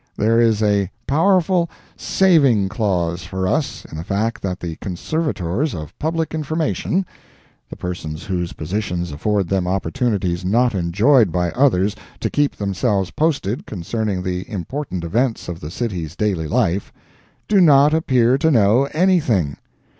There is a powerful saving clause for us in the fact that the conservators of public information—the persons whose positions afford them opportunities not enjoyed by others to keep themselves posted concerning the important events of the city's daily life—do not appear to know anything.